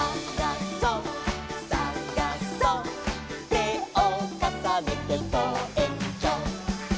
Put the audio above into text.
「てをかさねてぼうえんきょう」